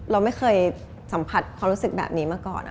เราไม่เคยสัมผัสความรู้สึกแบบนี้มาก่อน